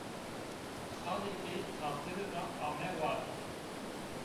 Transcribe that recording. Xalê ey qatire ra ame war